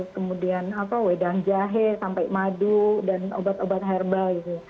kemudian wedang jahe sampai madu dan obat obat herbal